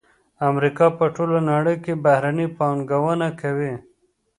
امریکا په ټوله نړۍ کې بهرنۍ پانګونه کوي